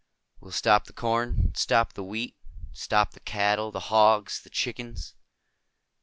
"We'll stop the corn. Stop the wheat. Stop the cattle, the hogs, the chickens."